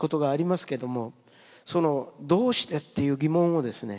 その「どうして？」っていう疑問をですね